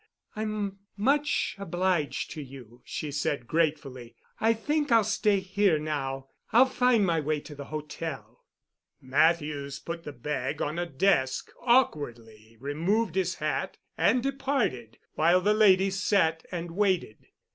"I'm much obliged to you," she said gratefully. "I think I'll stay here now. I'll find my way to the hotel." Matthews put the bag on a desk, awkwardly removed his hat and departed, while the lady sat and waited.